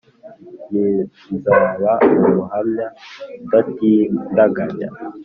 Ml nzaba umuhamya udatindiganya